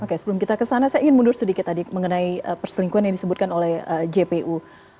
oke sebelum kita kesana saya ingin mundur sedikit tadi mengenai perselingkuhan yang disebutkan oleh jpu